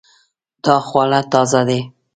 دا خواړه تازه دي